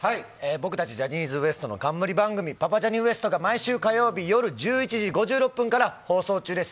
僕たちジャニーズＷＥＳＴの冠番組「パパジャニＷＥＳＴ」が毎週火曜日、夜１１時５６分から放送中です。